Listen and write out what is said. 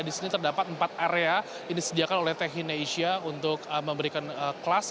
di sini terdapat empat area yang disediakan oleh techine asia untuk memberikan kelas